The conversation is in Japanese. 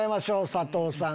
佐藤さん